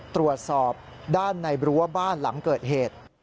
ตรวจสอบด้านในรั้วบ้านหลังเกิดเหตุ